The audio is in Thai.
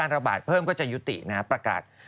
เราก็จะยุติในการประกาศ